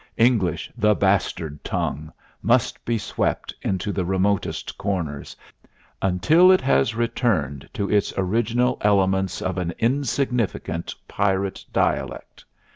English, the bastard tongue ... must be swept into the remotest corners ... until it has returned to its original elements of an insignificant pirate dialect.